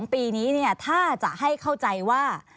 ปีนี้ถ้าจะให้เข้าใจว่า